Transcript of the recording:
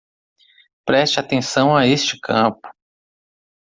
Preste atenção a este campo